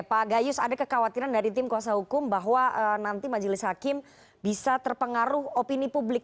pak gayus ada kekhawatiran dari tim kuasa hukum bahwa nanti majelis hakim bisa terpengaruh opini publik